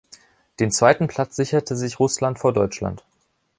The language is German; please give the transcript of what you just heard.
Den zweiten Platz sicherte sich Russland vor Deutschland.